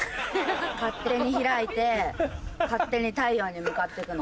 勝手に開いて勝手に太陽に向かってくの。